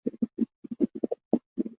穆阿维亚二世。